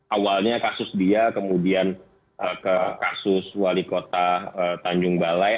awalnya kasus dia kemudian ke kasus wali kota tanjung balai